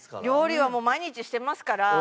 料理はもう毎日してますから。